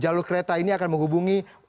jalur kereta ini akan menghubungi